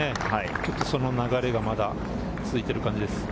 ちょっと流れがまだ続いてるかなという感じです。